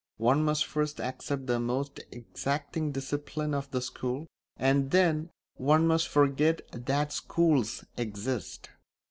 One must first accept the most exacting discipline of the school, and then one must forget that schools exist.